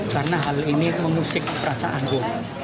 karena hal ini mengusik perasaanku